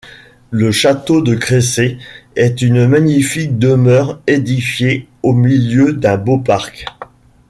Le château de Cressé est une magnifique demeure édifiée au milieu d'un beau parc.